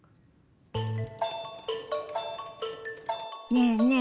ねえねえ